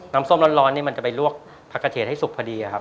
ส้มร้อนนี่มันจะไปลวกผักกระเทศให้สุกพอดีครับ